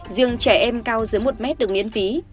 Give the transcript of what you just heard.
riêng trẻ em cao dưới một mét được miễn phí